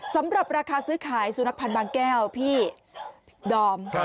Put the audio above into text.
สำหรับราคาซื้อขายสุนัขพันธ์บางแก้วพี่ดอม